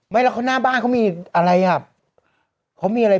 ไม่เร็ควรน่าบ้านพูดมีอะไรครับ